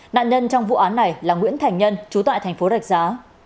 nạn nhân trong vụ án này là nguyễn thành nhân trú tại thành phố rạch giá